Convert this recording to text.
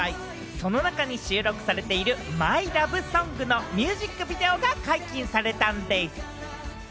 その中に収録されている『ＭｙＬｏｖｅＳｏｎｇ』のミュージックビデオが解禁されたんでぃす！